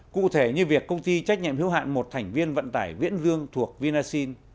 cụ thể như việc công ty trách nhiệm hiếu hạn một thành viên vận tải viễn dương thuộc vinasin